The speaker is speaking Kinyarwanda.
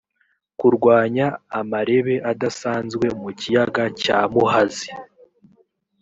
kurwanya amarebe adasanzwe mu kiyaga cya muhazi